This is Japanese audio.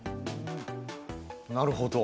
なるほど。